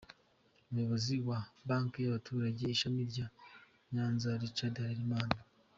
Umuyobozi wa banki y’abaturage ishami rya Nyanza, Richard Harerimana,.